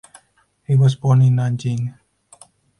He was born in Nanjing.